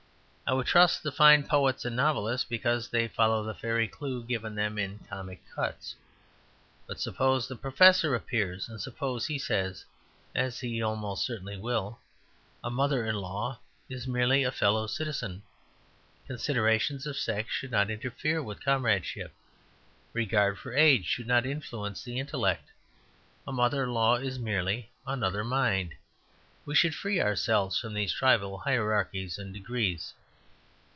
I would trust the fine poets and novelists because they follow the fairy clue given them in Comic Cuts. But suppose the Professor appears, and suppose he says (as he almost certainly will), "A mother in law is merely a fellow citizen. Considerations of sex should not interfere with comradeship. Regard for age should not influence the intellect. A mother in law is merely Another Mind. We should free ourselves from these tribal hierarchies and degrees."